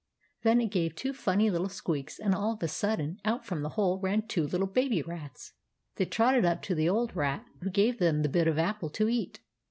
Then it gave two funny little squeaks, and all of a sudden out from the hole ran two little baby rats. They trotted up to the old rat, who gave them the bit of apple to eat.